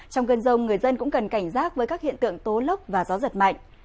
trong cơn rông người dân cũng cần cảnh giác với các hiện tượng tố lốc và gió giật mạnh